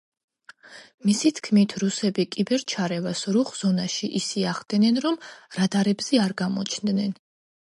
მისი თქმით, რუსები კიბერ-ჩარევას „რუხ ზონაში“ ისე ახდენენ, რომ რადარებზე არ გამოჩნდნენ.